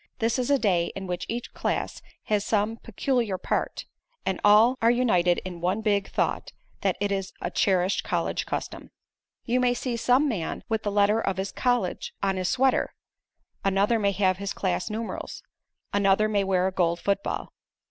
This is a day in which each class has some peculiar part, and all are united in the one big thought that it is a cherished college custom. You may see some man with the letter of his college on his sweater, another may have his class numerals, another may wear a gold football.